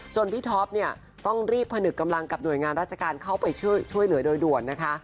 พี่ท็อปเนี่ยต้องรีบผนึกกำลังกับหน่วยงานราชการเข้าไปช่วยเหลือโดยด่วนนะคะ